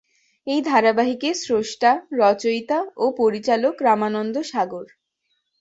এই ধারাবাহিকের স্রষ্টা, রচয়িতা ও পরিচালক রামানন্দ সাগর।